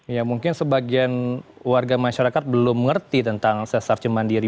ya mungkin sebagian warga masyarakat belum mengerti tentang sesar cemandiri